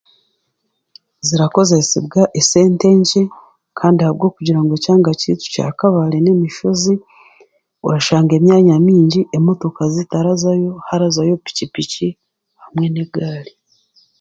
Zirakozesebwa esente nkye kandi ahabw'okugira ngu ekyanga kyeitu kya Kabare n'emishoozi orashanga emyanya mingi emotoka zitarazayo harazayo piiki hamwe n'egaali.